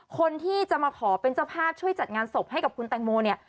คนที่จะมาขอเป็นเจ้าภาพช่วยจัดงานศพให้กับคุณแตงโมเนี่ย